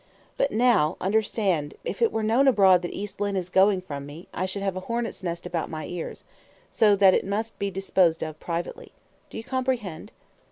But now, understand, if it were known abroad that East Lynne is going from me, I should have a hornet's nest about my ears; so that it must be disposed of privately. Do you comprehend?"